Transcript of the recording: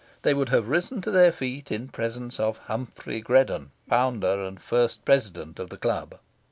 They would have risen to their feet in presence of Humphrey Greddon, founder and first president of the club.